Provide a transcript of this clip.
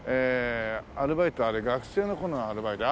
アルバイトあれ学生の頃のアルバイト